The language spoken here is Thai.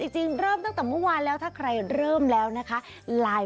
จริงเริ่มตั้งแต่เมื่อวานแล้วถ้าใครเริ่มแล้วนะคะ